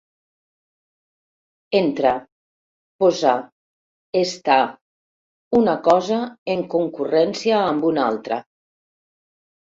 Entrar, posar, estar, una cosa en concurrència amb una altra.